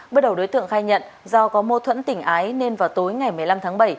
bước đầu đối tượng khai nhận do có mô thuẫn tỉnh ái nên vào tối ngày một mươi năm tháng bảy